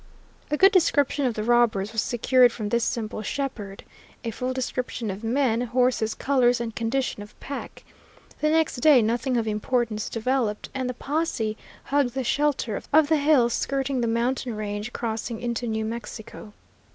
A good description of the robbers was secured from this simple shepherd, a full description of men, horses, colors, and condition of pack. The next day nothing of importance developed, and the posse hugged the shelter of the hills skirting the mountain range, crossing into New Mexico.